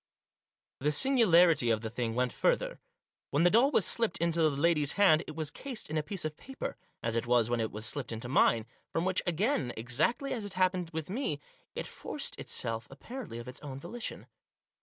The singularity of the thing went further. When the doll was slipped into the lady's hand it was cased in a piece of paper, as it was when it was slipped into mine, from, which, again exactly as had happened with me, it forced itself apparently of its own volition.